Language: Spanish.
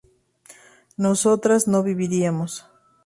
nosotras no viviríamos